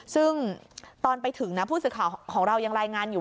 ซึ่งตอนไปถึงนะผู้สื่อข่าวของเรายังรายงานอยู่